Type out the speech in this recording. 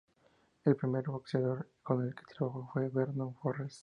El primer boxeador con el que trabajó fue Vernon Forrest.